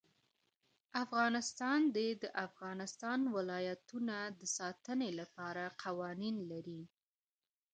افغانستان د د افغانستان ولايتونه د ساتنې لپاره قوانین لري.